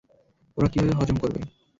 ওরা কীভাবে হজম করবে?